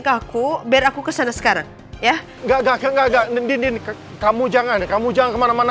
ke aku beraku kesana sekarang ya enggak enggak enggak nendin kamu jangan kamu jangan kemana mana